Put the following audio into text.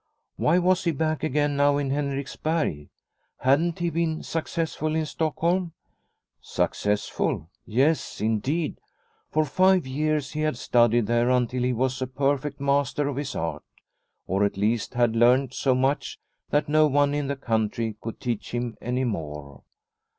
Why was he back again now in Henriksberg ? Hadn't he been successful in Stockholm ? Successful, yes indeed. For five years he had 1 66 Liliecrona's Home studied there until he was a perfect master of his art, or at least had learnt so much that no one in the country could teach him any more.